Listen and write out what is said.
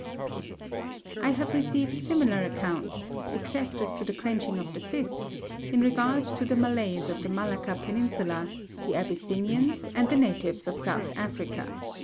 I have received similar accounts, except as to the clenching of the fists, in regard to the Malays of the Malacca peninsula, the Abyssinians, and the natives of South Africa.